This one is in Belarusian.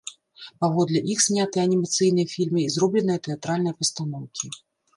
Паводле іх знятыя анімацыйныя фільмы і зробленыя тэатральныя пастаноўкі.